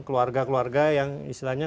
keluarga keluarga yang istilahnya